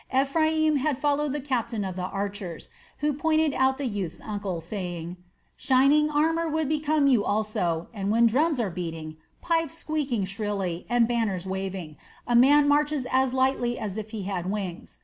Ephraim had followed the captain of the archers, who pointed out the youth's uncle, saying: "Shining armor would become you also, and when drums are beating, pipes squeaking shrilly, and banners waving, a man marches as lightly as if he had wings.